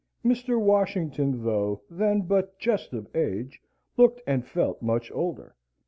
Mr. Washington, though then but just of age, looked and felt much older.